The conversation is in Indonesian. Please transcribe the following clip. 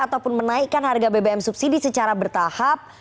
ataupun menaikkan harga bbm subsidi secara bertahap